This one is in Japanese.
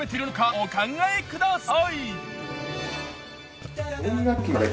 お考えください。